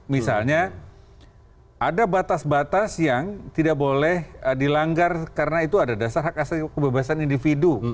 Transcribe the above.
misalnya ada batas batas yang tidak boleh dilanggar karena itu ada dasar hak asasi kebebasan individu